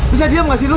bisa diam gak sih lu